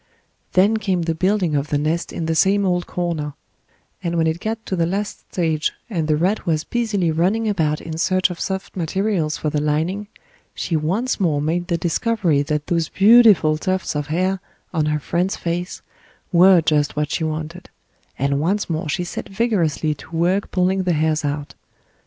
Then came the building of the nest in the same old corner, and when it got to the last stage and the rat was busily running about in search of soft materials for the lining, she once more made the discovery that those beautiful tufts of hair on her friend's face were just what she wanted, and once more she set vigorously to work pulling the hairs out.